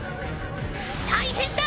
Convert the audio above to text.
大変だ！